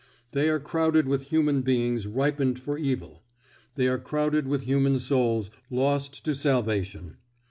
They are crowded with human beings ripening for evil; they are crowded with human souls lost to salvation.